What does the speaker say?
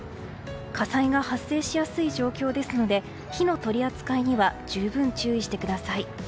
火災が発生しやすい状況ですので火の取り扱いには十分注意してください。